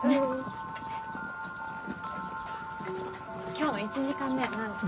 今日の１時間目は何ですか？